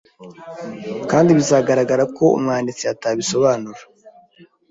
kandi bizagaragara ko umwanditsi atabisobanura